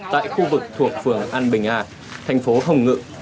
tại khu vực thuộc phường an bình a thành phố hồng ngự